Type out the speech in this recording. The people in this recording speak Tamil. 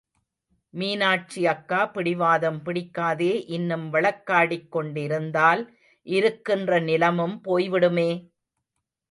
மீனாட்சி அக்கா பிடிவாதம் பிடிக்காதே இன்னும் வழக்காடிக் கொண்டிருந்தால் இருக்கின்ற நிலமும் போய்விடுமே!